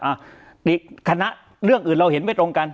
อ่ะนี่คณะเรื่องอื่นเราเห็นไม่ตรงกัน